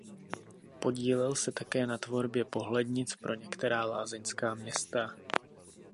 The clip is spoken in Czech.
Podílel se také na tvorbě pohlednic pro některá lázeňská města.